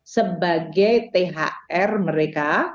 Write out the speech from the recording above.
sebagai thr mereka